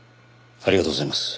ありがとうございます。